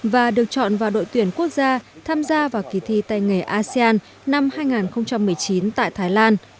và được chọn vào đội tuyển quốc gia tham gia vào kỳ thi tay nghề asean năm hai nghìn một mươi chín tại thái lan